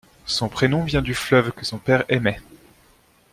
Son prénom vient du fleuve que son père aimait.